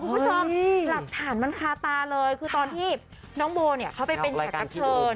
คุณผู้ชมหลักฐานมันคาตาเลยคือตอนที่น้องโบเนี่ยเขาไปเป็นแขกรับเชิญ